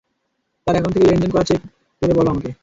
তার অ্যাকাউন্ট থেকে করা লেনদেন চেক করে বল আমাকে।